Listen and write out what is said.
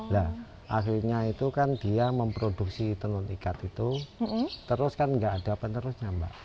nah akhirnya itu kan dia memproduksi tenun ikat itu terus kan nggak ada penerusnya mbak